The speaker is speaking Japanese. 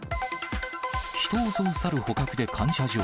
人を襲うサル捕獲で感謝状。